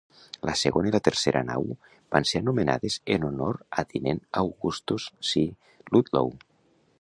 La segona i la tercera nau van ser anomenades en honor a tinent Augustus C. Ludlow.